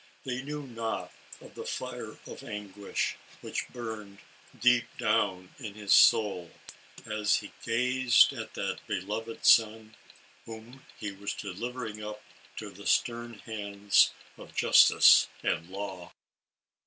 They knew not the fire of anguish, which burned deep down in his soul, as he gazed at that 66 ALICE ; OR, THE WAGES OF SIN. beloved son, whom he was delivering up to the stern hands of justice and law.